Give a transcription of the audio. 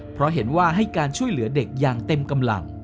เพราะเห็นว่าให้การช่วยเหลือเด็กอย่างเต็มกำลัง